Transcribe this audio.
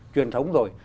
truyền thống rồi